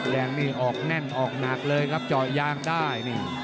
แดงนี่ออกแน่นออกหนักเลยครับเจาะยางได้นี่